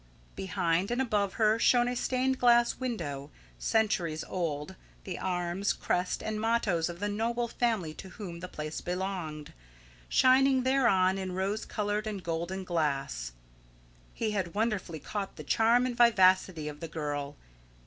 Behind and above her shone a stained glass window, centuries old, the arms, crest, and mottoes of the noble family to whom the place belonged, shining thereon in rose coloured and golden glass. He had wonderfully caught the charm and vivacity of the girl.